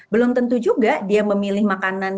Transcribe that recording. belum tentu juga dia memilih makanan